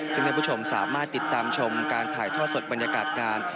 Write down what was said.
ซึ่งท่านผู้ชมสามารถติดตามชมการถ่ายท่อสดบรรยากาศงาน